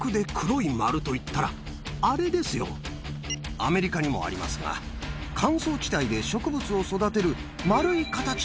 アメリカにもありますが乾燥地帯で植物を育てる。